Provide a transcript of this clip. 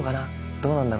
どうなんだろう